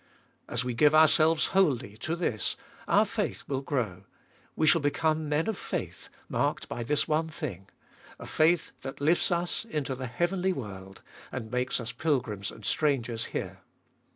As we give ourselves wholly to this our faith will grow ; we shall become men of faith, marked by this one thing — a faith that lifts us into the heavenly world, and makes us pilgrims and strangers here.